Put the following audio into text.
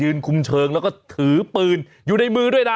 คุมเชิงแล้วก็ถือปืนอยู่ในมือด้วยนะ